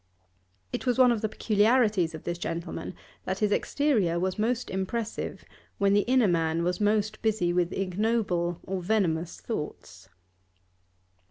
It was one of the peculiarities of this gentleman that his exterior was most impressive when the inner man was most busy with ignoble or venomous thoughts.